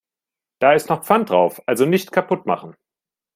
Da ist noch Pfand drauf, also nicht kaputt machen.